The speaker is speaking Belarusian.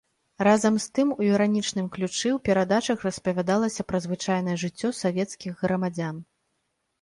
Разам з тым у іранічным ключы ў перадачах распавядалася пра звычайнае жыццё савецкіх грамадзян.